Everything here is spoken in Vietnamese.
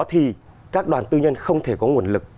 thì các đoàn tư nhân không thể có nguồn lực